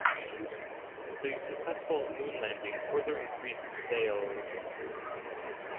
The successful moon landing further increased sales.